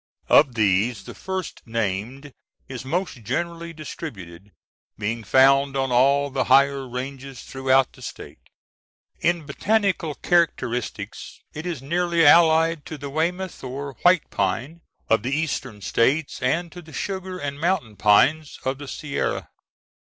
Of these the first named is most generally distributed, being found on all the higher ranges throughout the State. In botanical characters it is nearly allied to the Weymouth, or white, pine of the Eastern States, and to the sugar and mountain pines of the Sierra.